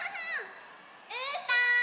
・うーたん！